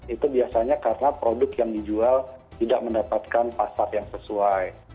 itu biasanya karena produk yang dijual tidak mendapatkan pasar yang sesuai